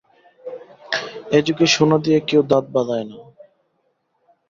এ-যুগে সোনা দিয়ে কেউ দাঁত বাঁধায় না।